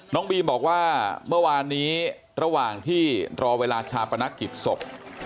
น้องบีมบอกว่าเมื่อวานนี้ระหว่างที่รอเวลาชาปนกิจศพ